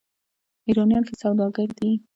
ایرانیان ښه سوداګر دي.